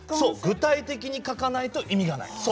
具体的に書かないと意味がない。